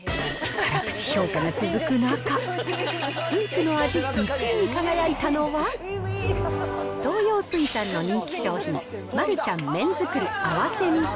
辛口評価が続く中、スープの味１位に輝いたのは、東洋水産の人気商品、マルちゃん麺づくり合わせ味噌。